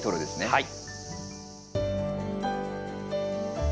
はい。